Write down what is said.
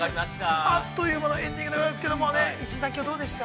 あっという間のエンディングでございますけど、石井さん、きょうはどうでした？